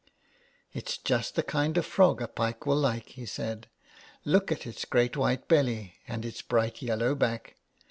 *' It is just the kind of frog a pike will like," he said. '' Look at its great white belly and its bright yellow back."